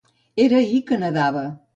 Era ahir que nedava.